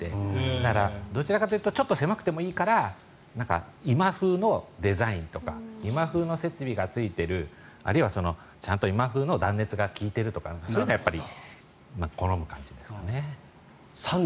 だから、どちらかというとちょっと狭くてもいいから今風のデザインとか今風の設備がついているあるいは、ちゃんと今風の断熱が利いているとかそういうのを好む感じですかね。